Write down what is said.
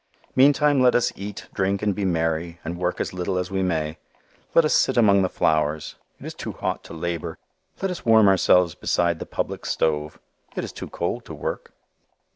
Meantime let us eat, drink and be merry and work as little as we may. Let us sit among the flowers. It is too hot to labor. Let us warm ourselves beside the public stove. It is too cold to work.